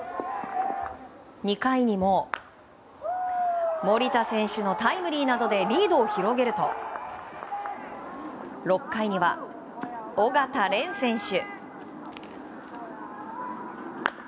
２回にも森田選手のタイムリーなどでリードを広げると６回には緒方漣選手。